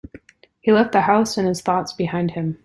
He left the house and his thoughts behind him.